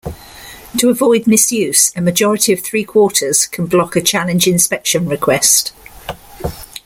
To avoid misuse, a majority of three quarters can block a challenge inspection request.